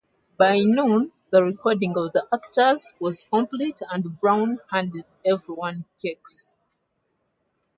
By noon, the recording of the actors was complete, and Brown handed everyone checks.